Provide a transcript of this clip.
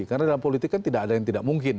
karena dalam politik kan tidak ada yang tidak mungkin